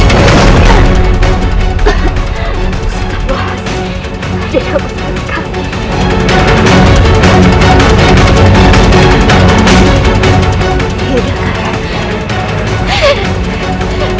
di udang karang